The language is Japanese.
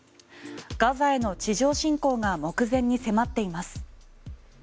ガザへの地上侵攻が目前に迫っています。